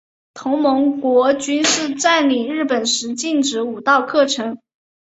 同盟国军事占领日本时禁止武道课程。